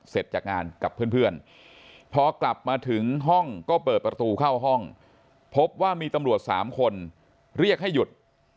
เสร็จจากงานกับเพื่อนพอกลับมาถึงห้องก็เปิดประตูเข้าห้องพบว่ามีตำรวจ๓คนเรียกให้หยุด